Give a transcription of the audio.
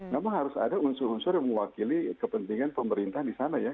memang harus ada unsur unsur yang mewakili kepentingan pemerintah di sana ya